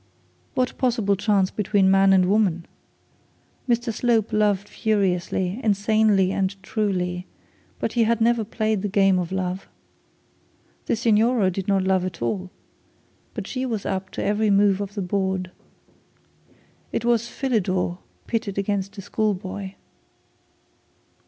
What possible between man and woman? Mr Slope loved furiously, insanely, and truly; but he had never played the game of love. The signora did not love at all, but she was up to every move on the board. It was Philidor pitched against a school boy.